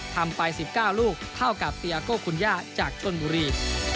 ทำไป๑๙ลูกเท่ากับเตียโก้คุณย่าจากชนบุรี